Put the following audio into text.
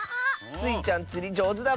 スイちゃんつりじょうずだもんね。